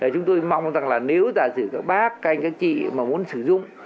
chúng tôi mong rằng là nếu giả sử các bác các anh các chị mà muốn sử dụng